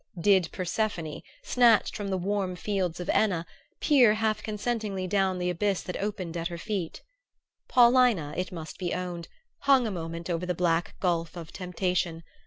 Did Persephone, snatched from the warm fields of Enna, peer half consentingly down the abyss that opened at her feet? Paulina, it must be owned, hung a moment over the black gulf of temptation.